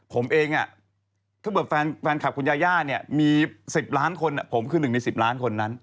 ผมเองถ้าเกิดแฟนคลับคุณยาย่าเนี่ยมี๑๐ล้านคนผมคือ๑ใน๑๐ล้านคนนั้น